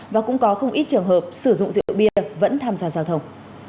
và cũng có không ít trường hợp sử dụng rượu bia vẫn tham gia giao thông